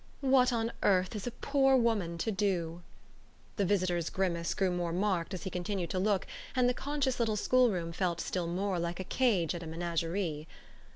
"What on earth is a poor woman to do?" The visitor's grimace grew more marked as he continued to look, and the conscious little schoolroom felt still more like a cage at a menagerie.